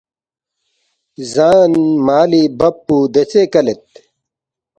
زان مالی بب پو دیژے کلید